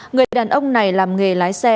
người đàn ông này làm nghề lái xe